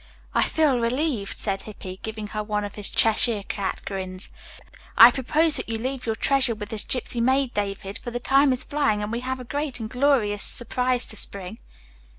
"I feel relieved," said Hippy, giving her one of his Cheshire Cat grins. "I propose that you leave your treasure with this gypsy maid, David, for the time is flying and we have a great and glorious surprise to spring."